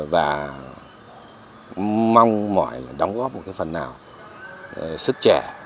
và mong mọi đóng góp một cái phần nào sức trẻ